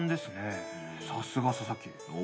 さすが佐々木。